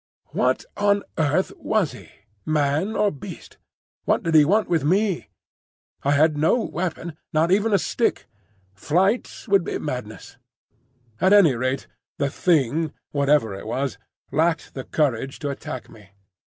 What on earth was he,—man or beast? What did he want with me? I had no weapon, not even a stick. Flight would be madness. At any rate the Thing, whatever it was, lacked the courage to attack me.